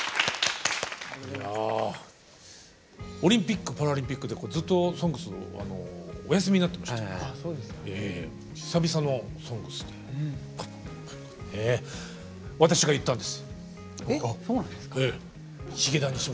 オリンピックパラリンピックでずっと「ＳＯＮＧＳ」お休みになってまして久々の「ＳＯＮＧＳ」でねええっそうなんですか？